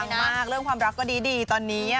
มากเรื่องความรักก็ดีตอนนี้